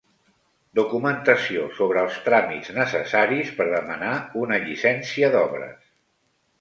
Documentació sobre els tràmits necessaris per demanar una llicència d'obres.